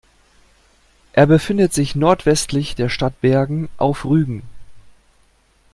Er befindet sich nordwestlich der Stadt Bergen auf Rügen.